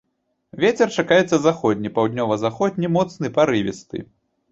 Вецер чакаецца заходні, паўднёва-заходні моцны парывісты.